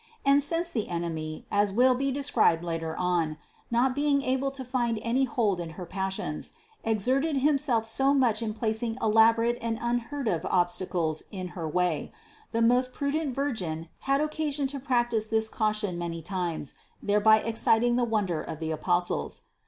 And since the enemy, as will be described later on, not being able to find any hold in her passions, exerted himself so much in placing elaborate and unheard of obstacles in her way, the most prudent Virgin had oc casion to practice this caution many times, thereby excit ing the wonder of the Apostles.